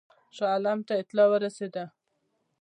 شاه عالم ته اطلاع ورسېده.